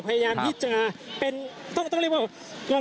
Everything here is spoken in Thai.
คุณภูริพัฒน์บุญนิน